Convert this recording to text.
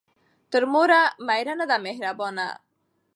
ـ تر موره مېره ،نه ده مهربانه.